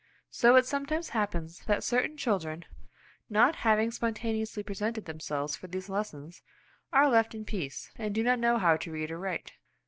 So it sometimes happens that certain children, not having spontaneously presented themselves for these lessons, are left in peace, and do not know how to read or write.